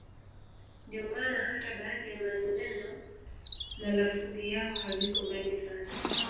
Ndio maana hata baadhi ya maneno na lafudhi yao haviko mbali sana